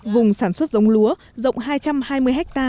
vùng sản xuất giống lúa rộng hai trăm hai mươi ha